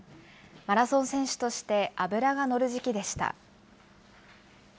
マラソン選手として脂が乗る時期でした。